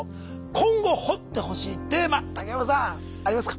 今後掘ってほしいテーマ竹山さんありますか？